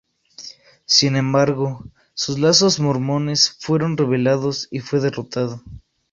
Sin embargo, sus lazos mormones fueron revelados y fue derrotado.